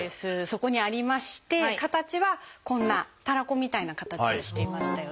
そこにありまして形はこんなたらこみたいな形をしていましたよね。